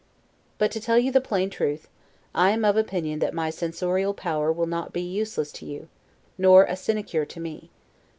But, to tell you the plain truth, I am of opinion that my censorial power will not be useless to you, nor a sinecure to me.